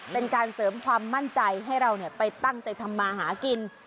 เป็นการเสริมความมั่นใจให้เราไปตั้งใจทำมาหากิน